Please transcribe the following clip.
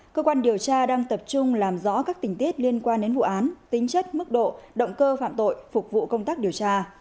cơ quan điều tra đang tập trung làm rõ các tình tiết liên quan đến vụ án tính chất mức độ động cơ phạm tội phục vụ công tác điều tra